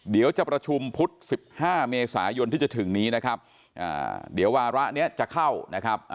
เดี๋ยวจะประชุมพุธ๑๕เมษายนที่จะถึงนี้นะครับเดี๋ยววาระนี้จะเข้านะครับ